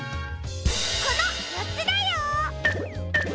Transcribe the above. このよっつだよ！